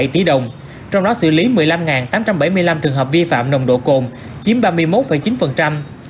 bảy tỷ đồng trong đó xử lý một mươi năm tám trăm bảy mươi năm trường hợp vi phạm nồng độ côn chiếm ba mươi một chín